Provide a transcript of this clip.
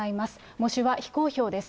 喪主は非公表です。